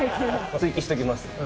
追記しておきます。